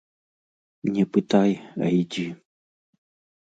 Не пытай, а ідзі.